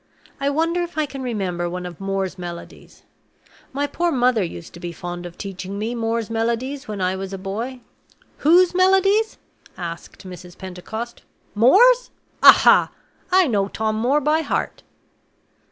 I wonder if I can remember one of Moore's Melodies? My poor mother used to be fond of teaching me Moore's Melodies when I was a boy." "Whose melodies?" asked Mrs. Pentecost. "Moore's? Aha! I know Tom Moore by heart."